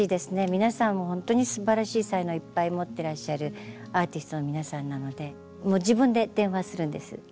皆さんほんとにすばらしい才能をいっぱい持ってらっしゃるアーティストの皆さんなのでもう自分で電話するんです。